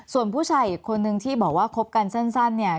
ส่วนผู้ชายอีกคนนึงที่บอกว่าคบกันสั้นเนี่ย